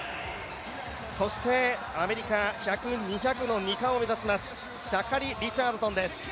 そしてアメリカ、１００、２００の２冠を目指します、シャカリ・リチャードソンです。